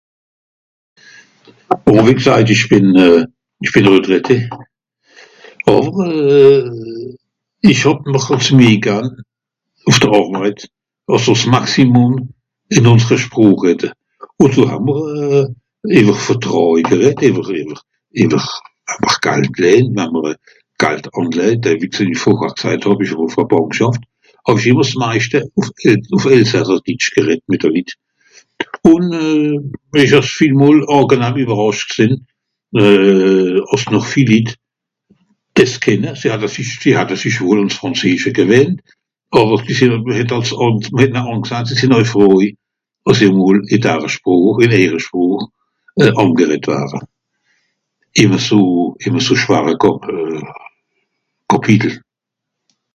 Je suis retraité Au cours de mon activité j'essayais au maximum de parler en alsacien , en parlant de contrats, d'argents à placer, car je travaillais dans une banque. toujours en parlant un maximum en alsacien avec les gens et j'étais agréablement surpris que beaucoup de gens savaient encore parler l'alsacien , même s'ils s'étaient habitués au français et étaient contents de pouvoir s'exprimer dans cette langue avec quelqu'un, souvent dans une situation difficile